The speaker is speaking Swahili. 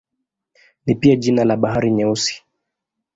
Ni pia jina la Bahari Nyeusi.